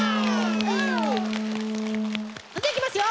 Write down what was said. それじゃいきますよ。